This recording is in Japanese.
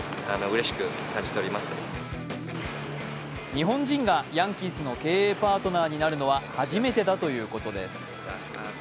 日本人がヤンキースの経営パートナーになるのは初めてだということです。